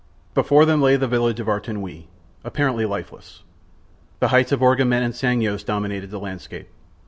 Before them lay the village of Argenteuil, apparently lifeless. The heights of Orgement and Sannois dominated the landscape.